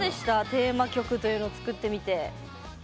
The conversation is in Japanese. テーマ曲というのを作ってみて。